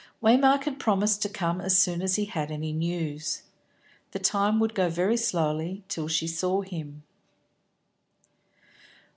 Waymark had promised to come as soon as he had any news. The time would go very slowly till she saw him.